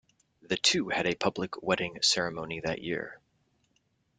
The two had a public wedding ceremony that year.